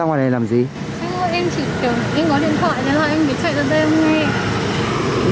anh ơi em chỉ kiểu em có điện thoại nên là em phải chạy ra đây không nghe